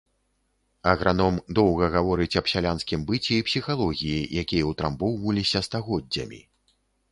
Аграном доўга гаворыць аб сялянскім быце і псіхалогіі, якія ўтрамбоўваліся стагоддзямі.